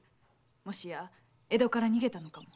もしや江戸から逃げたのかも。